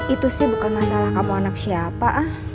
itu sih bukan masalah kamu anak siapa